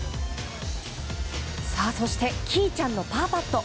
そして稀唯ちゃんのパーパット。